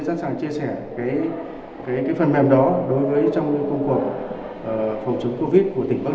sẵn sàng chia sẻ cái cái cái phần mềm đó đối với trong công cuộc phòng chống covid của tỉnh quang